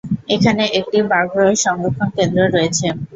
এখানে একটি ব্যাঘ্র সংরক্ষণ কেন্দ্র রয়েছে।